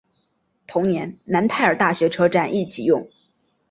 同年楠泰尔大学车站亦启用。